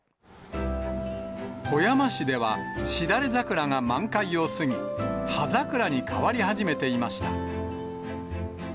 富山市では、シダレザクラが満開を過ぎ、葉桜に変わり始めていました。